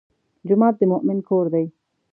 جومات د مؤمن کور دی.